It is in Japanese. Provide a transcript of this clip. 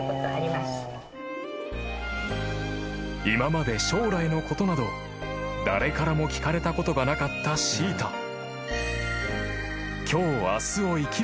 ［今まで将来のことなど誰からも聞かれたことがなかったシータ］